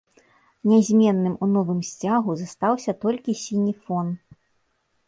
Нязменным у новым сцягу застаўся толькі сіні фон.